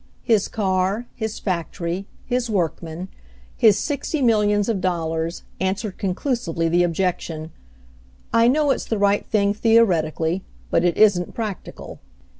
His car, his fac tory, his workmen, his sixty millions of dollars, answered conclusively the objection, "I know it's the right thing, theoretically — but it isn't practi cal."